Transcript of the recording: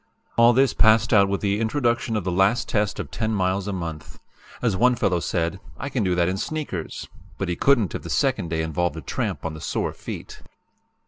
"All this passed out with the introduction of the last test of 10 miles a month. As one fellow said: 'I can do that in sneakers' but he couldn't if the second day involved a tramp on the sore feet.